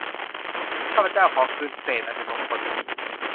ข้าพเจ้าขอคืนเศษอันเป็นมงคลนี้